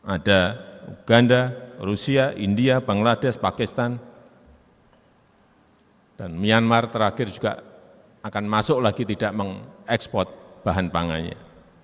ada uganda rusia india bangladesh pakistan dan myanmar terakhir juga akan masuk lagi tidak mengekspor bahan pangannya